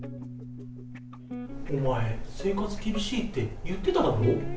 お前、生活厳しいって言ってただろ。